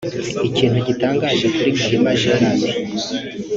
Ikintu gitangaje kuri Gahima Gerard